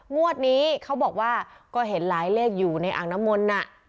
งวดนี้เขาบอกว่าก็เห็นหลายเลขอยู่ในอ่างน้ำมนต์น่ะ